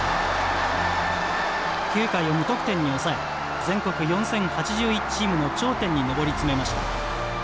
９回を無得点に抑え全国４，０８１チームの頂点にのぼり詰めました。